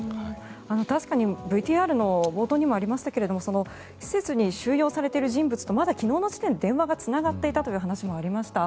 確かにＶＴＲの冒頭にもありましたが施設に収容されている人物と昨日の時点で電話がつながっていたという話もありました。